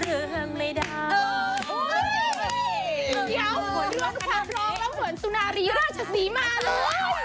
เดี๋ยวเรื่องฟันร้องแล้วเหมือนตุนารีราชศีมาเลย